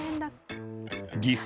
岐阜